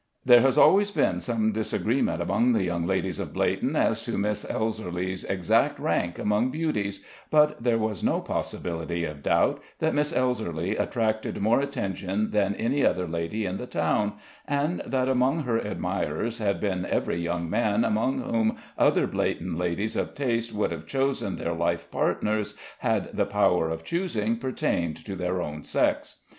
There has always been some disagreement among the young ladies of Bleighton as to Miss Elserly's exact rank among beauties, but there was no possibility of doubt that Miss Elserly attracted more attention than any other lady in the town, and that among her admirers had been every young man among whom other Bleighton ladies of taste would have chosen their life partners had the power of choosing pertained to their own sex.